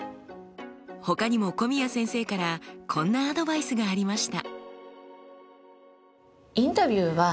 ほかにも古宮先生からこんなアドバイスがありました。